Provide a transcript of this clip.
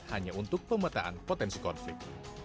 hanya untuk pemetaan potensi konflik